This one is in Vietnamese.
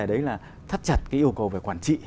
đấy là thắt chặt cái yêu cầu về quản trị